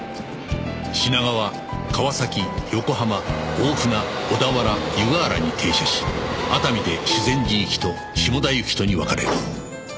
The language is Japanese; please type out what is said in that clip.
品川川崎横浜大船小田原湯河原に停車し熱海で修善寺行きと下田行きとに分かれる